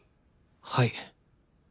はい。